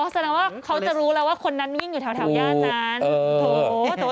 แสดงว่าเขาจะรู้แล้วว่าคนนั้นวิ่งอยู่แถวย่านนั้น